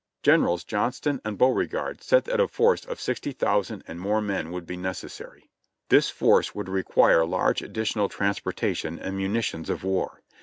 Generals Johnston and Beauregard said that a force of sixty thousand and more men would be necessary. This force would require large additional transportation and munitions of war.